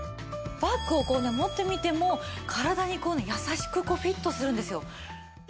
バッグをこうね持ってみても体にこう優しくフィットするんですよ。